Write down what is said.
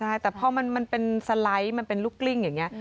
ใช่แต่พอมันเป็นสไลด์มันเป็นลูกกลิ้งอย่างนี้